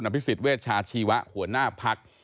อพเวชาชีวะหัวหน้าภักดิ์